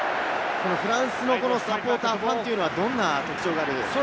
フランスのサポーター、ファンというのはどんな特徴があるんですか？